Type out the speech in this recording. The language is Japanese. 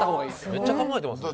めっちゃ考えてますね。